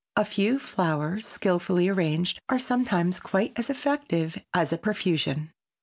A few flowers skilfully arranged are sometimes quite as effective as a profusion.